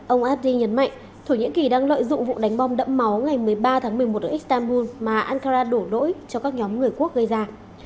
ông adri nhấn mạnh thổ nhĩ kỳ đang lợi dụng vụ đánh bom đẫm máu ngày một mươi ba tháng một mươi một ở istanbul mà ankara đổ lỗi cho các nhóm người quốc gây ra